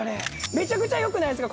めちゃくちゃよくないですか？